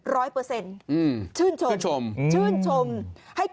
เปอร์เซ็นต์ชื่นชมชื่นชมชื่นชม